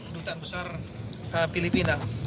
dutan besar filipina